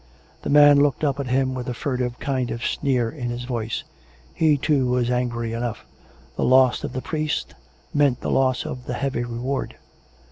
The man looked up at him with a furtive kind of sneer in his face ; he, too, was angry enough ; the loss of the priest meant the loss of the heavy reward.